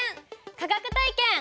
科学体験！